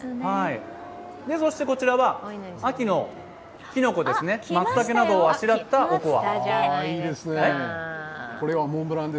こちらは秋のきのこですね、まつたけなどをあしらった、おこわ。